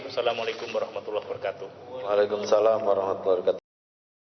wassalamu'alaikum warahmatullahi wabarakatuh